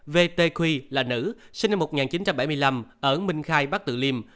vtq là nữ sinh năm một nghìn chín trăm bảy mươi năm ở minh khai bắc tự liêm